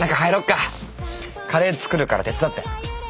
カレー作るから手伝って。